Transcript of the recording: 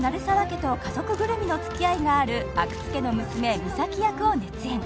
家と家族ぐるみのつきあいがある阿久津家の娘実咲役を熱演